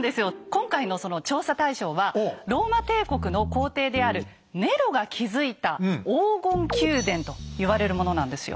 今回のその調査対象はローマ帝国の皇帝であるネロが築いた「黄金宮殿」と言われるものなんですよ。